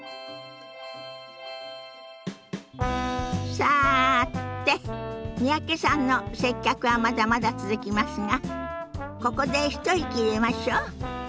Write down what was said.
さて三宅さんの接客はまだまだ続きますがここで一息入れましょ。